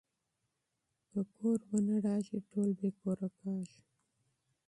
که کور ړنګ شي ټول بې کوره کيږو.